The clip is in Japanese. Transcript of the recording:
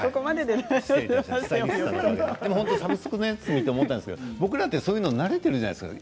サブスクのやつを見て思ったんですけれども僕らは慣れているじゃないですか